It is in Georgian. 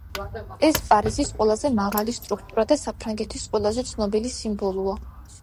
ეს პარიზის ყველაზე მაღალი სტრუქტურა და საფრანგეთის ყველაზე ცნობილი სიმბოლოა.